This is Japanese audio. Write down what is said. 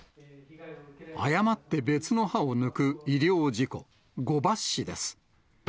誤って別の歯を抜く医療事故、誤抜歯です。